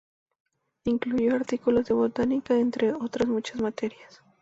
Incluyó artículos de botánica, entre otras muchas materias.